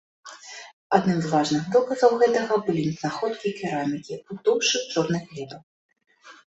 Адным з важных доказаў гэтага былі знаходкі керамікі ў тоўшчы чорнай глебы.